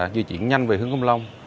di chuyển nhanh về hướng công long